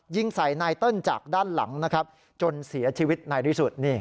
ยิงใส่นายเติ้ลจากด้านหลังนะครับจนเสียชีวิตในที่สุด